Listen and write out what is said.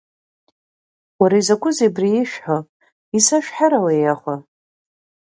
Уара изакәызеи абри ишәҳәо, исашәҳәарауеи иахәа…